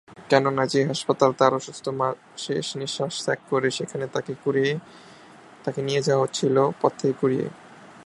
কেননা, যে হাসপাতালে তার অসুস্থ মা শেষ নিঃশ্বাস ত্যাগ করে, সেখানে তাকে নিয়ে যাওয়া হয়েছিল পথ থেকে কুড়িয়ে।